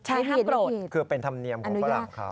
ใช่ค่ะกรดคือเป็นธรรมเนียมของฝรั่งเขา